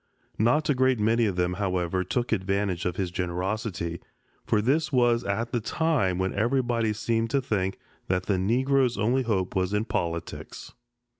Not a great many of them, however, took advantage of his generosity, for this was at the time when everybody seemed to think that the Negro's only hope was in politics.